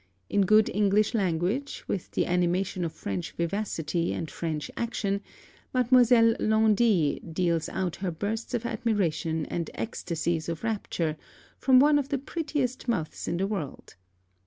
In good English language, with the animation of French vivacity and French action, Mademoiselle Laundy deals out her bursts of admiration and exstacies of rapture from one of the prettiest mouths in the world.